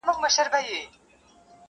د غمازانو مخ به تور وو اوس به وي او کنه.!